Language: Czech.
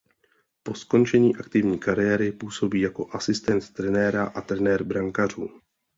Po skončení aktivní kariéry působí jako asistent trenéra a trenér brankářů.